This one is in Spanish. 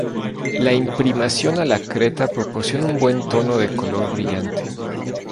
La imprimación a la creta proporciona un buen tono de color brillante.